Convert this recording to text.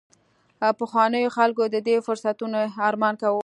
پخوانیو خلکو د دې فرصتونو ارمان کاوه